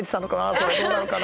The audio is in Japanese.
それどうなのかな？